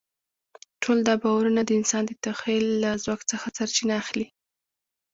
ټول دا باورونه د انسان د تخیل له ځواک څخه سرچینه اخلي.